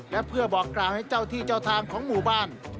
และเพื่อบอกกล่าวให้เจ้าที่เจ้าทางของหมู่บ้าน